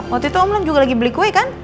waktu itu om lag juga lagi beli kue kan